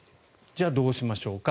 じゃあ、どうしましょうか。